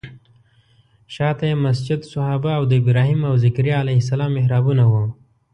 شاته یې مسجد صحابه او د ابراهیم او ذکریا علیه السلام محرابونه وو.